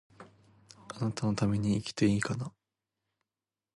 貴方のために生きていいかな